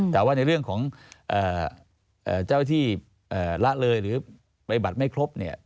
แต่ว่าในเรื่องของเจ้าที่ละเลยหรือไปบัตรไม่ครบ